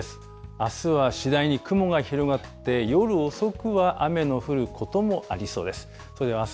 あすは次第に雲が広がって、夜遅くは雨の降ることもありそうです。